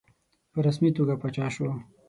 په رسمي توګه پاچا شو.